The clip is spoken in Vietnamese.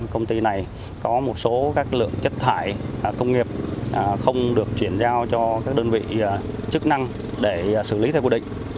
công ty này có một số các lượng chất thải công nghiệp không được chuyển giao cho các đơn vị chức năng để xử lý theo quy định